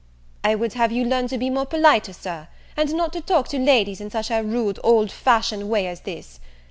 "I would have you learn to be more politer, Sir, and not to talk to ladies in such a rude, old fashion way as this.